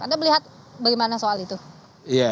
anda melihat bagaimana soal itu